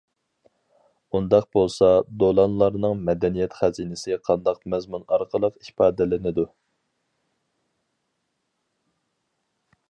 ئۇنداق بولسا دولانلارنىڭ مەدەنىيەت خەزىنىسى قانداق مەزمۇن ئارقىلىق ئىپادىلىنىدۇ.